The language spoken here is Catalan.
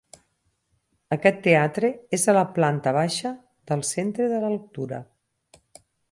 Aquest teatre és a la planta baixa del Centre de Lectura.